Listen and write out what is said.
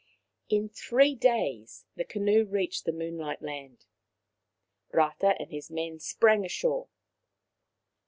In three days the canoe reached the Moonlight land. Rata and his men sprang ashore.